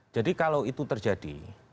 jadi kalau itu terjadi